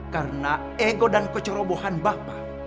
karena ego dan kecerobohan bapak